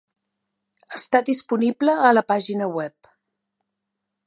Està disponible a la pàgina web.